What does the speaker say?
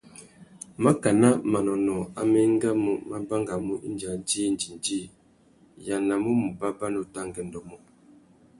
Mákànà manônôh amá engamú mà bangamú indi a djï indjindjï, nʼyānamú u mù bàbà nutu angüêndô mô.